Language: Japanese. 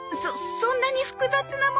そんなに複雑なものは。